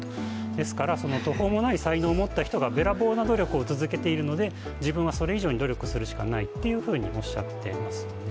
ですから途方もない才能を持った人がべらぼうの勉強をしているので自分はそれ以上に努力するしかないというふうにおっしゃっています。